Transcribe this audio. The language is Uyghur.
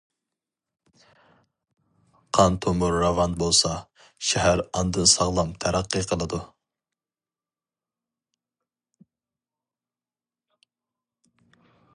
قان تومۇر راۋان بولسا، شەھەر ئاندىن ساغلام تەرەققىي قىلىدۇ.